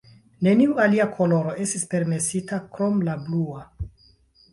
Neniu alia koloro estis permesita, krom la blua.